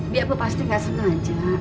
biar aku pasti gak sengaja